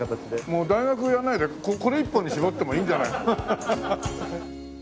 もう大学やらないでこれ一本に絞ってもいいんじゃない？